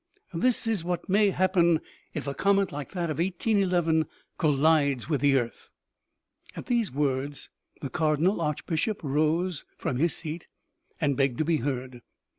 This is what may happen if a comet like that of 1811 collides with the earth." At these words the cardinal archbishop rose from his seat and begged to be heard.